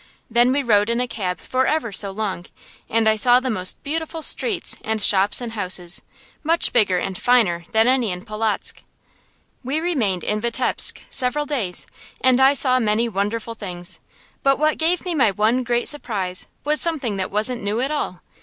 Then we rode in a cab for ever so long, and I saw the most beautiful streets and shops and houses, much bigger and finer than any in Polotzk. We remained in Vitebsk several days, and I saw many wonderful things, but what gave me my one great surprise was something that wasn't new at all.